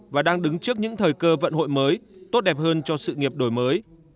và đang đứng trước những thời cơ vận hội mới tốt đẹp hơn cho sự nghiệp đổi mới